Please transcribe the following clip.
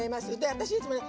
私いつもね